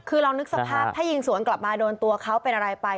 คือลองนึกสภาพถ้ายิงสวนกลับมาโดนตัวเขาเป็นอะไรไป